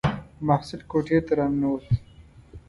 محصل کوټې ته را ننووت.